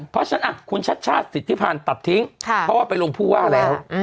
เพราะฉะนั้นคุณชัดชาติสิทธิพันธ์ตัดทิ้งเพราะว่าไปลงผู้ว่าแล้ว